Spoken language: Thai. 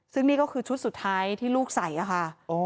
ซึ่งนี่ก็คือชุดสุดท้ายที่ลูกใส่ค่ะ